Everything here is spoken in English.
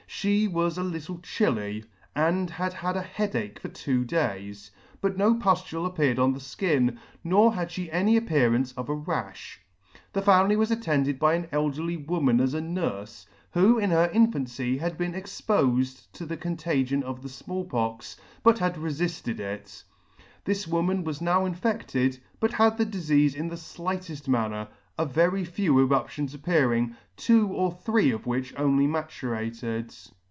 She was a little chilly, and had a head ache for two days, but no pujlule appeared on the Jkin , nor had fhe any appearance of a rafh. P 2 The [ <°8 ] The family was attended by an 'elderly woman as a nurfe, who in her infancy had been expofed to the contagion of the Small Pox, but had refilled it. This woman was now infedted, but had the difeafe in the flighted manner, a very few eruptions appearing, two or three of which only maturated.